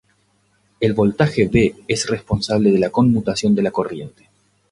El voltaje V es responsable de la conmutación de la corriente.